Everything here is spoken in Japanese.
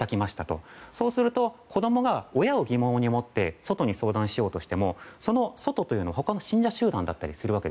そうすると子供が親を疑問に思って外に相談しようとしてもその外というのが他の信者集団だったりします。